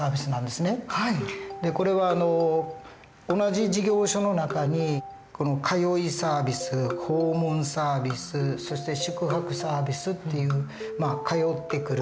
これは同じ事業所の中に通いサービス訪問サービスそして宿泊サービスっていう通ってくる。